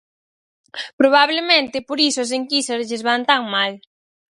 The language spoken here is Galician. Probablemente por iso as enquisas lles van tan mal.